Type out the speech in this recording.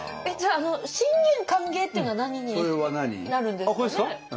じゃあ「シンゲン歓迎」っていうのは何になるんですかね？